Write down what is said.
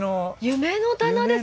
夢の棚ですね。